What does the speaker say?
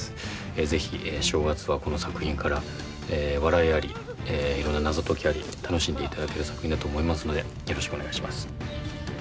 ぜひ、正月がこの作品から笑いあり、いろんな謎解きあり楽しんでいただける作品だと思いますのでよろしくお願いします。